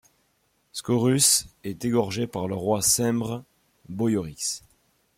Scaurus est égorgé par le roi cimbre Boiorix.